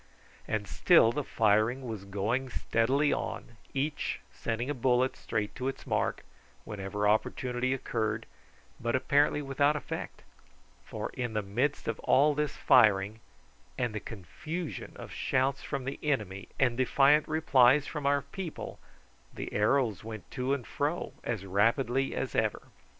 And still the firing was going steadily on, each sending a bullet straight to its mark whenever opportunity occurred; but apparently without effect, for in the midst of all this firing and confusion of shouts from the enemy and defiant replies from our people, the arrows went to and fro as rapidly as ever.